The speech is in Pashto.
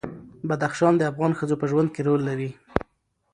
بدخشان د افغان ښځو په ژوند کې رول لري.